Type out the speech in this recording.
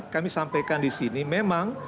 kami sampaikan disini memang